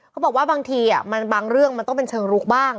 เขาบอกว่าบางทีบางเรื่องมันต้องเป็นเชิงลุกบ้าง